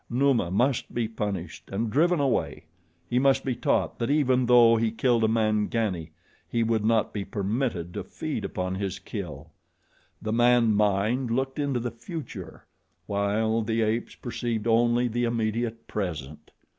Numa must be punished and driven away. He must be taught that even though he killed a Mangani, he would not be permitted to feed upon his kill. The man mind looked into the future, while the apes perceived only the immediate present.